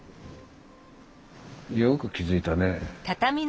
よく気付いたね。